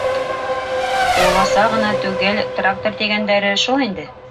— Ҡуласа ғына түгел, трактор тигәндәре шул инде.